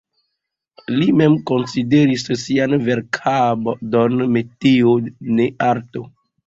Li mem konsideris sian verkadon metio, ne arto.